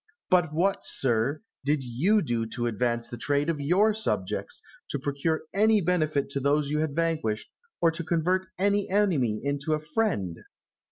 But what, sir, did you do to advance the trade of your subjects, to procure any benefit to those you had vanquished, or to convert any enemy into a friend?